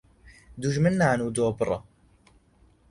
دوژمن نان و دۆ بڕە